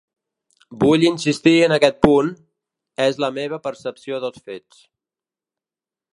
Vull insistir en aquest punt: és la meva percepció dels fets.